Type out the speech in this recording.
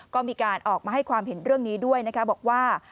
ก็มีการออกมาให้ความเห็นเรื่องนี้ด้วยนะคะบอกว่า